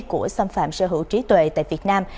của xâm phạm sở hữu trí tuệ tại việt nam